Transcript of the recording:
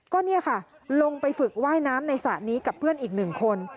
ก็เนี่ยค่ะลงไปฝึกว่ายน้ำในสระนี้กับเพื่อนอีกหนึ่งคน